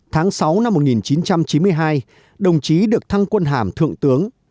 tháng sáu năm một nghìn chín trăm chín mươi hai đồng chí được thăng quân hàm thượng tướng